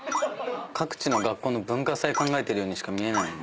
各地の学校の文化祭考えてるようにしか見えない。